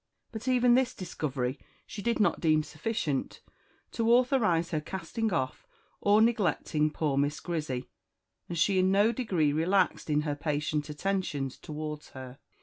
But even this discovery she did not deem sufficient to authorise her casting off or neglecting poor Miss Grizzy, and she in no degree relaxed in her patient attentions towards her.